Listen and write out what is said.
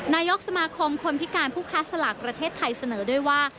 นายกสมาคมคนพิการผู้ค้าสลากประเทศไทยเสนอด้วยว่า